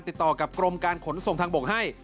ติดต่อกับกรมการขนส่งทางบกให้